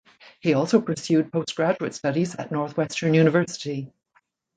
He also pursued postgraduate studies at Northwestern University.